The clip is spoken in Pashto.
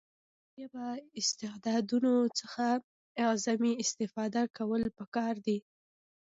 له نایابه استعدادونو څخه اعظمي استفاده کول پکار دي.